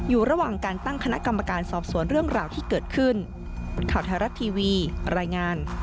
อยู่ระหว่างการตั้งคณะกรรมการสอบสวนเรื่องราวที่เกิดขึ้น